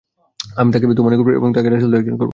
আমি তাকে তোমার নিকট ফিরিয়ে দেব এবং তাকে রাসূলদের একজন করব।